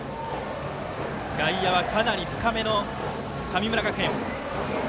外野は、かなり深めの神村学園。